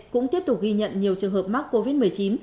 cũng tiếp tục ghi nhận nhiều trường hợp mắc covid một mươi chín